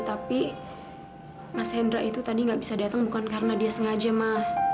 tapi mas hendra itu tadi nggak bisa datang bukan karena dia sengaja mah